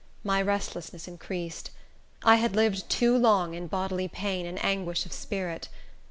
My restlessness increased. I had lived too long in bodily pain and anguish of spirit.